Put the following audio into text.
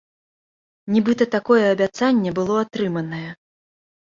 Нібыта, такое абяцанне было атрыманае.